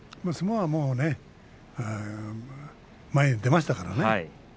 相撲は、もうね前に出ましたからね。